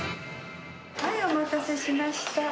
はい、お待たせしました。